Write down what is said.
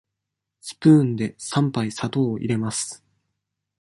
スプーンで三杯砂糖を入れます。